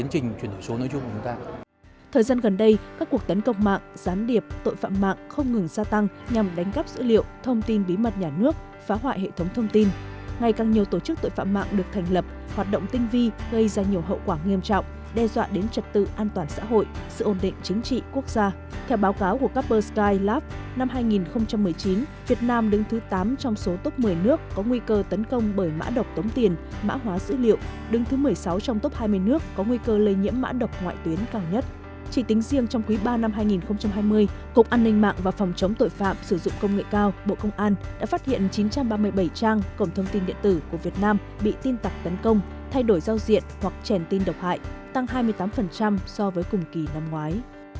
chỉ tính riêng trong quý ba năm hai nghìn hai mươi cục an ninh mạng và phòng chống tội phạm sử dụng công nghệ cao bộ công an đã phát hiện chín trăm ba mươi bảy trang cổng thông tin điện tử của việt nam bị tin tặc tấn công thay đổi giao diện hoặc chèn tin độc hại tăng hai mươi tám so với cùng kỳ năm ngoái